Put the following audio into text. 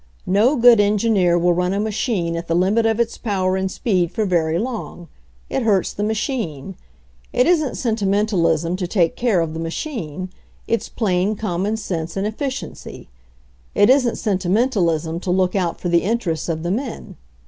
"No good engineer will run a machine at the limit of its power and speed for very long. It hurts the machine. It isn't sentimentalism to take care of the machine ; it's plain common sense and efficiency. It isn't sentimentalism to look out for the interests of the men.